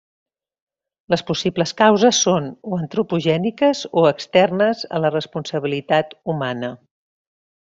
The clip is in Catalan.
Les possibles causes són o antropogèniques o externes a la responsabilitat humana.